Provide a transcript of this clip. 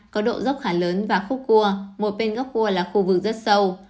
có độ dốc khả lớn và khúc cua một bên gốc cua là khu vực rất sâu